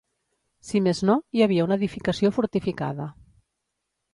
Si més no, hi havia una edificació fortificada.